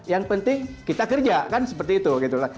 yang penting kita kerja kan seperti itu gitu